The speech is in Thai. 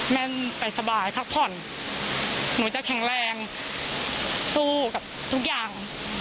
แม่ไปสบายพักผ่อนหนูจะแข็งแรงสู้กับทุกอย่าง